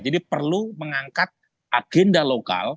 jadi perlu mengangkat agenda lokal